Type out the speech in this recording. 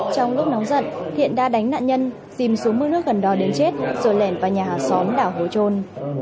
trong lúc nóng giật thiện đã đánh nạn nhân dìm xuống mưa nước gần đó đến chết rồi lẻn qua nhà xóm đảo hồ chôn